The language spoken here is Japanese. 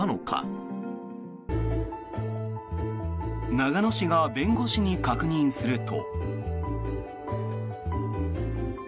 長野市が弁護士に確認すると。